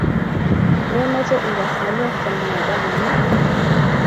Memoche ikas ngalek che mwae Bamongo